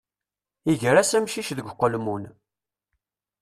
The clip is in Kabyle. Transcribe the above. Iger-as amcic deg uqelmun.